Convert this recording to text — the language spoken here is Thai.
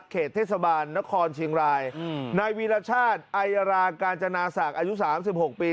เขตเทศบาลนครเชียงรายนายวีรชาติไอรากาญจนาศักดิ์อายุ๓๖ปี